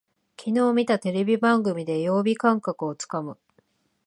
きのう見たテレビ番組で曜日感覚をつかむ